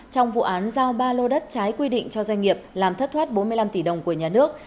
trong vụ án giao ba lô đất trái quy định cho doanh nghiệp làm thất thoát bốn mươi năm tỷ đồng của nhà nước